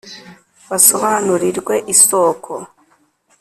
basobanurirwe isoko